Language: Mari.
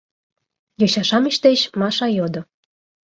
— йоча-шамыч деч Маша йодо.